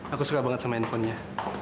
aku suka banget sama handphonenya